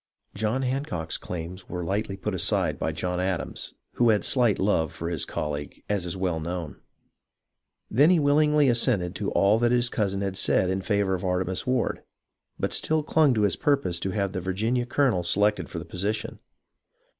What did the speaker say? John Hancock's claims were lightly put aside by John Adams, who had slight love for his colleague, as is well known. Then he wiUingly assented to all that his cousin had said in favour of Artemas Ward, but still clung to his purpose to have the Virginia colonel selected for the position.